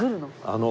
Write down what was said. あの。